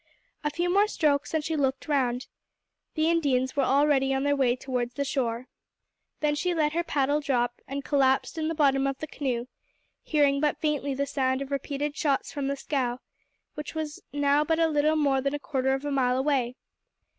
A few more strokes and she looked round. The Indians were already on their way towards the shore. Then she let her paddle drop, and collapsed in the bottom of the canoe, hearing but faintly the sound of repeated shots from the scow, which was now but a little more than a quarter of a mile away.